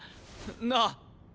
なあ。